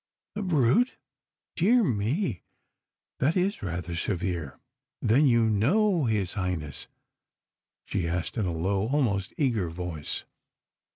"The brute? Dear me, that is rather severe. Then you know His Highness?" she asked in a low, almost eager, voice.